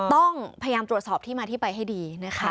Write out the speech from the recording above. ต้องพยายามตรวจสอบที่มาที่ไปให้ดีนะคะ